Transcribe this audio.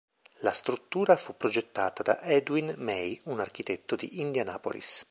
La struttura fu progettata da Edwin May, un architetto di Indianapolis.